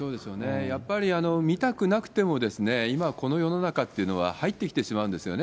やっぱり見たくなくても、今、この世の中というのは、入ってきてしまうんですよね。